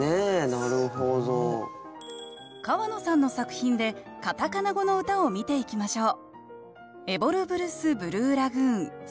川野さんの作品でカタカナ語の歌を見ていきましょう